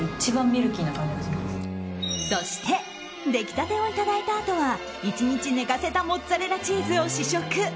そして出来たてをいただいたあとは１日寝かせたモッツァレラチーズを試食。